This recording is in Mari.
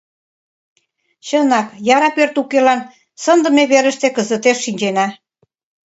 Чынак, яра пӧрт укелан сындыме верыште кызытеш шинчена.